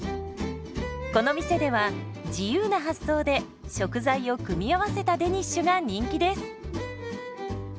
この店では自由な発想で食材を組み合わせたデニッシュが人気です。